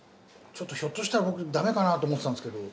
ちょっとひょっとしたら僕駄目かなと思ってたんですけど。